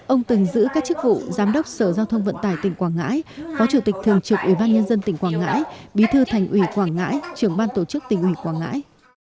ông từng giữ các chức vụ giám đốc sở giao thông vận tài tỉnh quảng ngãi phó chủ tịch thường trực ubnd tỉnh quảng ngãi bí thư thành ủy quảng ngãi trưởng ban tổ chức tỉnh ủy quảng ngãi